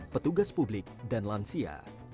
petugas publik dan lansia